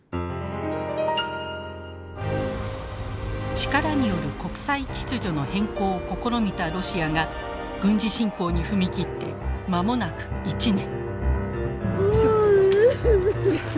力による国際秩序の変更を試みたロシアが軍事侵攻に踏み切って間もなく１年。